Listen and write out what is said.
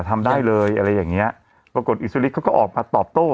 ทำได้เลยอะไรอย่างเงี้ยปรากฏอิสลิกเขาก็ออกมาตอบโต้